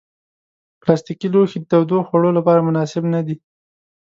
پلاستيکي لوښي د تودو خوړو لپاره مناسب نه دي.